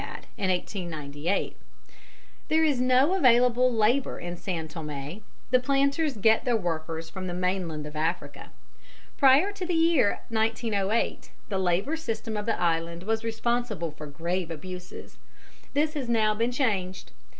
] As there is no available labour in San Thomé, the planters get their workers from the mainland of Africa. Prior to the year 1908, the labour system of the islands was responsible for grave abuses. This has now been changed.